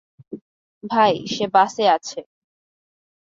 ভাই, সে বাসে আছে।